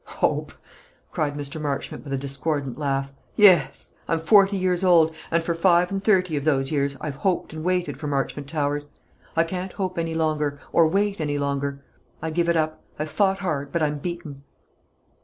"Hope!" cried Mr. Marchmont, with a discordant laugh. "Yes; I'm forty years old, and for five and thirty of those years I've hoped and waited for Marchmont Towers. I can't hope any longer, or wait any longer. I give it up; I've fought hard, but I'm beaten."